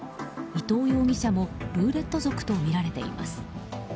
伊東容疑者もルーレット族とみられています。